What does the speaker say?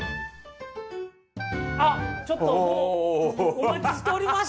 あっちょっともうお待ちしておりましたと。